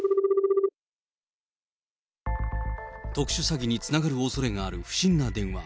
特殊詐欺につながるおそれのある不審な電話。